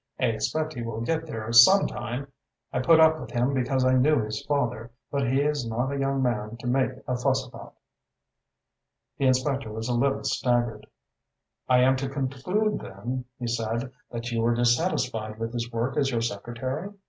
"I expect he will get there some time. I put up with him because I knew his father, but he is not a young man to make a fuss about." The inspector was a little staggered. "I am to conclude, then," he said, "that you were dissatisfied with his work as your secretary?"